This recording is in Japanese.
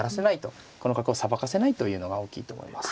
この角をさばかせないというのが大きいと思います。